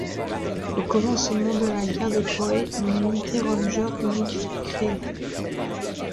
Au commencement de la guerre de Corée, une unité ranger unique fut créée.